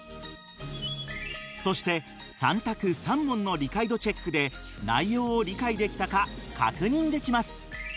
そして３択３問の理解度チェックで内容を理解できたか確認できます。